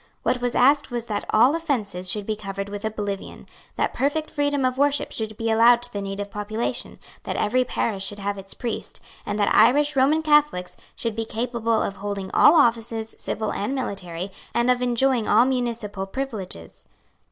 What was asked was that all offences should be covered with oblivion, that perfect freedom of worship should be allowed to the native population, that every parish should have its priest, and that Irish Roman Catholics should be capable of holding all offices, civil and military, and of enjoying all municipal privileges.